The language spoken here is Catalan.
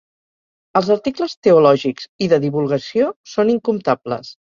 Els articles teològics i de divulgació són incomptables.